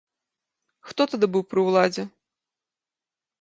Хто тады быў пры ўладзе?